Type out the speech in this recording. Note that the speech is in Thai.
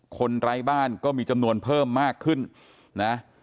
ไร้บ้านก็มีจำนวนเพิ่มมากขึ้นนะ